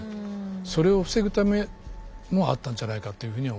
それを防ぐためもあったんじゃないかっていうふうに思うけどね。